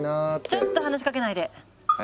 ちょっと話しかけないで。